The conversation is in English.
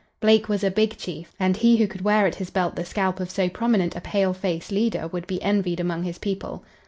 Blake was a "big chief," and he who could wear at his belt the scalp of so prominent a pale face leader would be envied among his people.